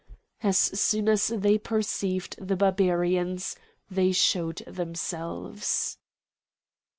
As soon as they perceived the Barbarians they showed themselves.